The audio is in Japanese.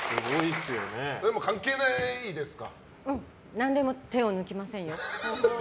何でも手を抜きませんよ。